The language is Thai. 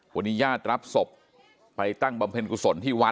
วันนี้ญาติรับศพไปตั้งบำเพ็ญกุศลที่วัด